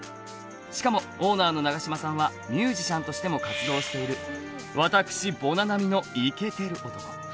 「しかもオーナーの長島さんはミュージシャンとしても活動している私ボナ並みのイケてる男」